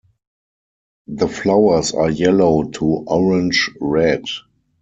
The flowers are yellow to orange-red.